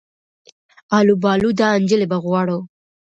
آلو بالو دا انجلۍ به غواړو